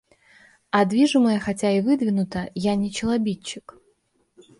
А движимое хотя и выдвинуто, я не челобитчик.